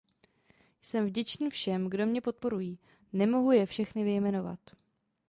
Jsem vděčný všem, kdo mě podporují; nemohu je všechny vyjmenovat.